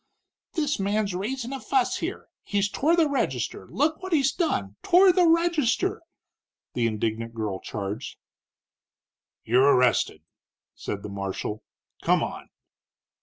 "This man's raisin' a fuss here he's tore the register look what he's done tore the register!" the indignant girl charged. "You're arrested," said the marshal. "Come on."